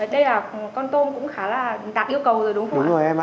đây là con tôm cũng khá là đạt yêu cầu rồi đúng không ạ